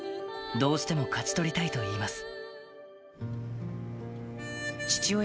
どうしても勝ち取りたいといいます。